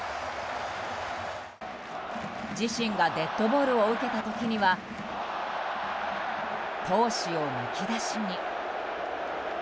自身がデッドボールを受けた時には闘志をむき出しに。